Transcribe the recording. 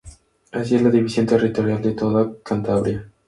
Así es la división territorial de toda Cantabria.